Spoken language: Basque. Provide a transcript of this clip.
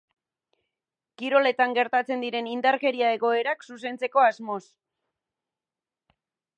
Kiroletan gertatzen diren indarkeria egoerak zuzentzeko asmoz.